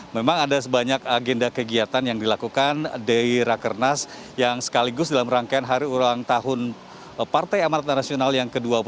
memang ada sebanyak agenda kegiatan yang dilakukan di rakernas yang sekaligus dalam rangkaian hari ulang tahun partai amarat nasional yang ke dua puluh